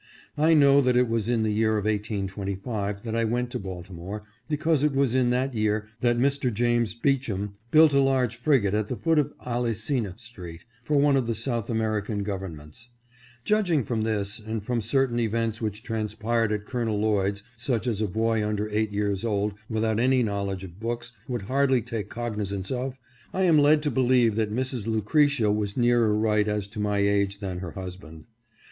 I know that it was in the year 1825 that I went to Baltimore, because it was in that year that Mr. James Beacham built a large frigate at the foot of Alli ceana street, for one of the South American Govern 538 CAPTAIN auld's death. ments. Judging from this, and from certain events which transpired at Col. Lloyd's such as a boy under eight years old, without any knowledge of books, would hardly take cognizance of, I am led to believe that Mrs. Lucretia was nearer right as to my age than her husband.